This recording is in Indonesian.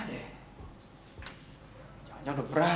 jangan jangan udah berangkat lagi